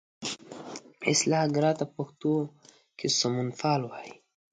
اصلاح ګرا ته په پښتو کې سمونپال وایي.